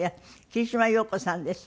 桐島洋子さんです。